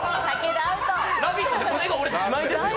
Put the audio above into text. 「ラヴィット！」で骨が折れて、しまいですよ。